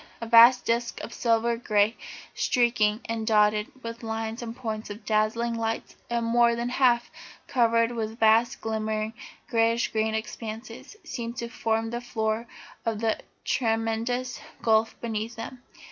A vast disc of silver grey, streaked and dotted with lines and points of dazzling lights, and more than half covered with vast, glimmering, greyish green expanses, seemed to form the floor of the tremendous gulf beneath them.